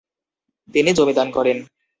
তিনি জমি দান করেন।